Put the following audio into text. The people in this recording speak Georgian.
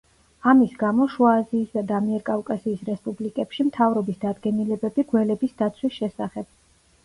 ამის გამო შუა აზიისა და ამიერკავკასიის რესპუბლიკებში მთავრობის დადგენილებები გველების დაცვის შესახებ.